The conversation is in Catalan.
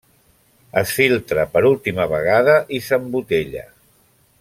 Es filtra per última vegada i s'embotella.